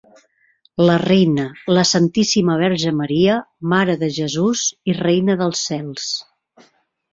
La reina: la Santíssima Verge Maria, Mare de Jesús i Reina dels Cels.